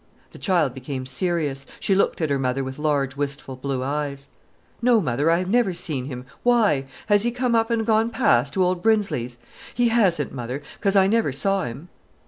The child became serious. She looked at her mother with large, wistful blue eyes. "No, mother, I've never seen him. Why? Has he come up an' gone past, to Old Brinsley? He hasn't, mother, 'cos I never saw him."